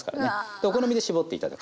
お好みで搾って頂く。